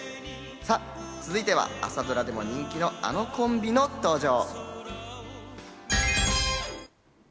さぁ、続いては朝ドラでも人気のあのコンビの登場。